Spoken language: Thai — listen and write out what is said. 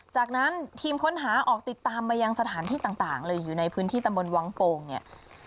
จากนั้นทีมค้นหาออกติดตามมายังสถานที่ต่างเลยอยู่ในพื้นที่ตำบลวังโป่งเนี่ย